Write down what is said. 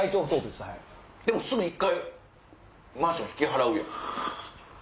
でもすぐ一回マンション引き払うやん。